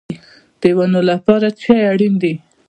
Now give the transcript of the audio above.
د ونو لپاره څه شی اړین دی؟